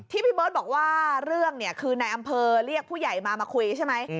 พี่เบิร์ตบอกว่าเรื่องเนี่ยคือนายอำเภอเรียกผู้ใหญ่มามาคุยใช่ไหม